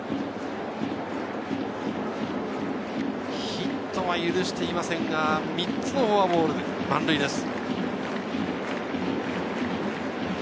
ヒットは許していませんが、３つのフォアボールで満塁です。